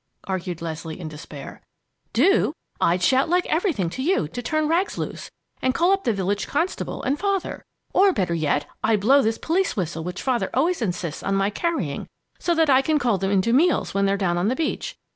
argued Leslie in despair. "Do? I'd shout like everything to you to turn Rags loose and call up the village constable and Father. Or better yet, I'd blow this police whistle which Father always insists on my carrying so that I can call them in to meals when they're down on the beach.